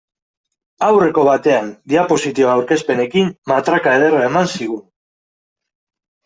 Aurreko batean diapositiba aurkezpenekin matraka ederra eman zigun.